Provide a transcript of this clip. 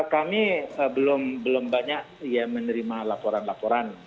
kami belum banyak menerima laporan laporan